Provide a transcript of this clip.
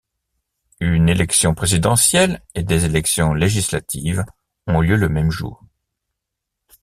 Une élection présidentielle et des élections législatives ont lieu le même jour.